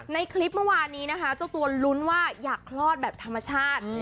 ในคลิปเมื่อวานนี้นะคะเจ้าตัวลุ้นว่าอยากคลอดแบบธรรมชาติ